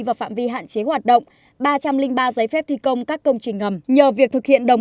vào phạm vi hạn chế hoạt động ba trăm linh ba giấy phép thi công các công trình ngầm nhờ việc thực hiện đồng